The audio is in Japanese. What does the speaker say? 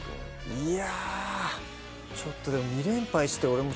いやちょっとでも。